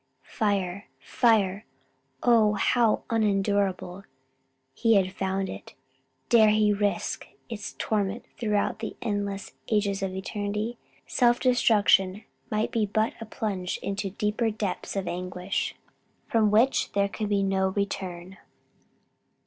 Fire, fire! oh how unendurable he had found it! dare he risk its torment throughout the endless ages of eternity? Self destruction might be but a plunge into deeper depths of anguish: from which there could be no return.